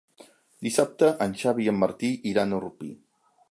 Dissabte en Xavi i en Martí iran a Orpí.